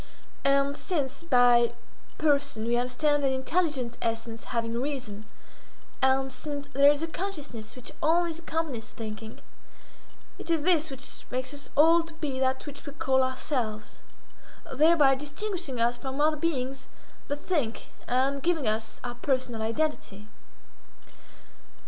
And since by person we understand an intelligent essence having reason, and since there is a consciousness which always accompanies thinking, it is this which makes us all to be that which we call ourselves—thereby distinguishing us from other beings that think, and giving us our personal identity.